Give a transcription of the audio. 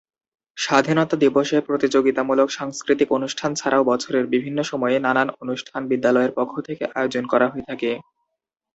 স্বাধীনতা দিবসে প্রতিযোগিতামূলক সাংস্কৃতিক অনুষ্ঠান ছাড়াও বছরের বিভিন্ন সময়ে নানান অনুষ্ঠান বিদ্যালয়ের পক্ষ থেকে আয়োজন করা হয়ে থাকে।